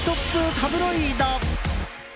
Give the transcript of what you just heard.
タブロイド。